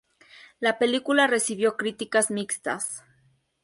La película recibió críticas mixtas.